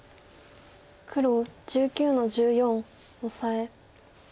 黒１９の十四オサエ。